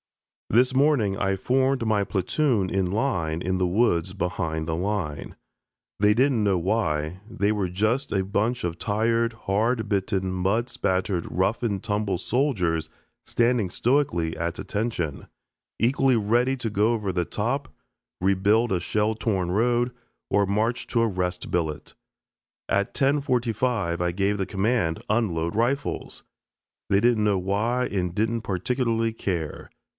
This morning I formed my platoon in line in the woods behind the line. They didn't know why. They were just a bunch of tired, hard bitten, mud spattered, rough and tumble soldiers standing stoically at attention, equally ready to go over the top, rebuild a shell torn road, or march to a rest billet. At 10:45 I gave the command: "Unload rifles!" They didn't know why and didn't particularly care.